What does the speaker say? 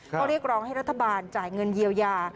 ก็เรียกร้องให้รัฐบาลจ่ายเงินเยียวยา